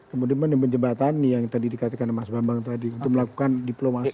kemudian pindah ke jembatan nih yang tadi dikatakan mas bambang tadi untuk melakukan diplomasi